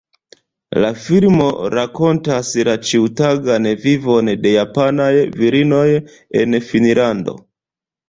La filmo rakontas la ĉiutagan vivon de japanaj virinoj en Finnlando.